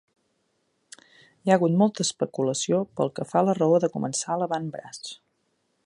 Hi ha hagut molta especulació pel que fa a la raó de començar a l'avantbraç.